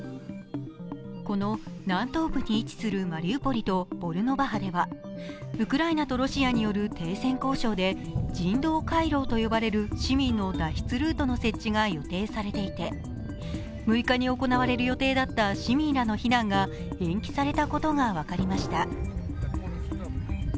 この南東部に位置するマリウポリとボルノバハではウクライナとロシアによる停戦交渉で人道回廊と呼ばれる市民の脱出ルートの設置が予定されていて６日に行われる予定だった市民らの避難が延期されたことが分かりました。